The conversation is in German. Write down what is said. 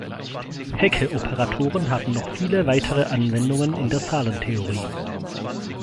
Hecke-Operatoren haben noch viele weitere Anwendungen in der Zahlentheorie.